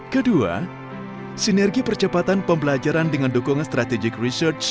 kedua sinergi percepatan pembelajaran dengan dukungan strategic research